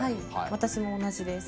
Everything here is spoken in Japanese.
私も同じです。